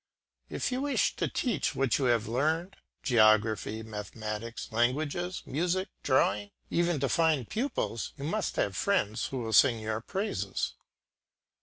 If you wish to teach what you have learned, geography, mathematics, languages, music, drawing, even to find pupils, you must have friends who will sing your praises.